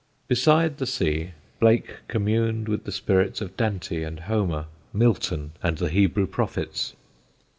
Beside the sea Blake communed with the spirits of Dante and Homer, Milton and the Hebrew Prophets.